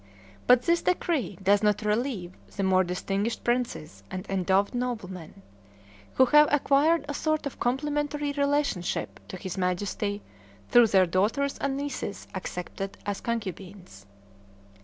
But this decree does not relieve the more distinguished princes and endowed noblemen, who have acquired a sort of complimentary relationship to his Majesty through their daughters and nieces accepted as concubines.